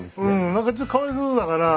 何かちょっとかわいそうだから。